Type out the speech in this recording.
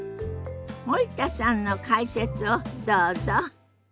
森田さんの解説をどうぞ。